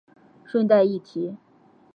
顺带一提